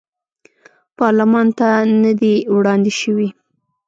پارلمان ته نه دي وړاندې شوي.